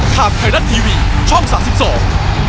ทาชนยอดทีวีช่องศาสิทธิ์สอง